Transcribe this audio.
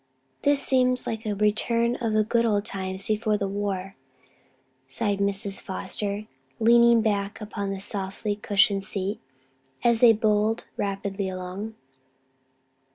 "This seems like a return of the good old times before the war!" sighed Mrs. Foster leaning back upon the softly cushioned seat, as they bowled rapidly along.